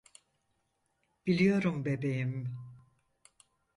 Biliyorum bebeğim.